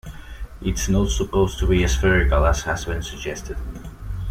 It's not supposed to be spherical as has been suggested.